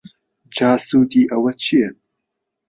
جا سوودی ئەوە چیە؟